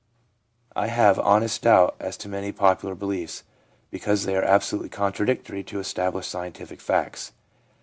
I have honest doubt as to many popular beliefs, because they are absolutely contradictory to established scientific facts/ M.